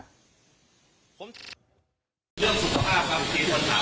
เรื่องสุขภาพบางทีคนถามมาเยอะมาก